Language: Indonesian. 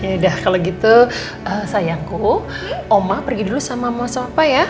yaudah kalau gitu sayangku oma pergi dulu sama mama sama papa ya